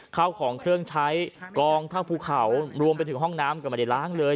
เข้าของเครื่องใช้กองเท่าภูเขารวมไปถึงห้องน้ำก็ไม่ได้ล้างเลย